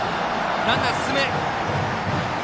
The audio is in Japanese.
ランナー進む。